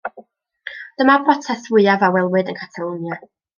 Dyma'r brotest fwyaf a welwyd yng Nghatalwnia.